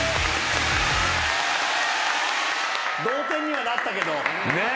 同点にはなったけど。